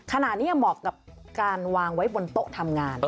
ขณะนี้เหมาะกับการวางไว้บนโต๊ะทำงาน